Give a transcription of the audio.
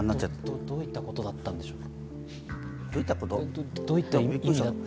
どういったことだったんでしょうか？